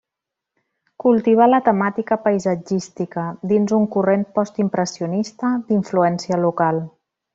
Cultivà la temàtica paisatgística dins un corrent postimpressionista d’influència local.